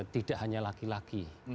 tidak hanya laki laki